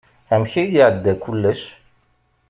Amek ay iɛedda kullec?